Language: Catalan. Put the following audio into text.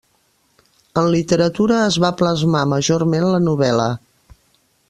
En literatura es va plasmar majorment la novel·la.